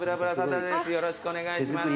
よろしくお願いします。